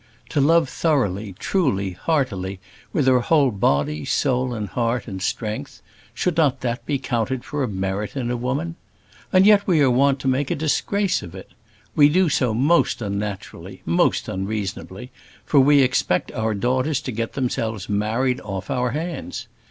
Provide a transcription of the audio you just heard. To love thoroughly, truly, heartily, with her whole body, soul, heart, and strength; should not that be counted for a merit in a woman? And yet we are wont to make a disgrace of it. We do so most unnaturally, most unreasonably; for we expect our daughters to get themselves married off our hands.